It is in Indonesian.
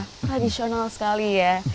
wow tradisional sekali ya